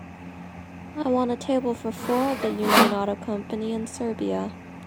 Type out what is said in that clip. I want a table for four at the Union Auto Company in Serbia